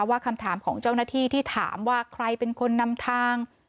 ว่าคำถามของเจ้าหน้าที่ที่ถามว่าใครเป็นคนนำทาง